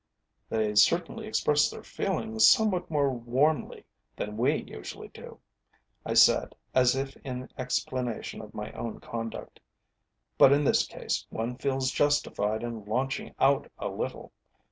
"They certainly express their feelings somewhat more warmly than we usually do," I said, as if in explanation of my own conduct; "but in this case one feels justified in launching out a little.